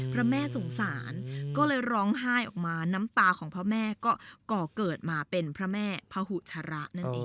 พระแม่สงสารก็เลยร้องไห้ออกมาน้ำตาของพระแม่ก็ก่อเกิดมาเป็นพระแม่พุชระนั่นเอง